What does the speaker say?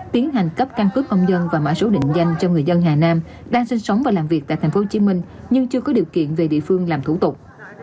tiến hành cấp căn cước công dân và mã số định danh cho người dân hà nam đang sinh sống và làm việc tại tp hcm nhưng chưa có điều kiện về địa phương làm thủ tục